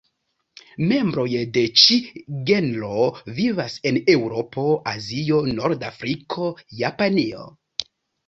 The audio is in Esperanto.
Membroj de ĉi genro vivas en Eŭropo, Azio, Norda Afriko, Japanio.